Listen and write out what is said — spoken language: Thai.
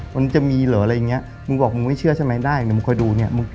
มันจะมีเหรออะไรอย่างเงี้ยมึงบอกมึงไม่เชื่อใช่ไหมได้เดี๋ยวมึงคอยดูเนี่ย